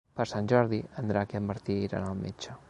Per Sant Jordi en Drac i en Martí iran al metge.